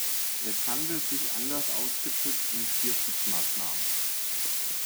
Es handelt sich, anders ausgedrückt, um Tierschutzmaßnahmen.